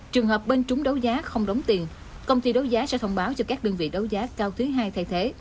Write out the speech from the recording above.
trường hợp bên trúng đấu giá không đóng tiền công ty đấu giá sẽ thông báo cho các đơn vị đấu giá cao thứ hai thay thế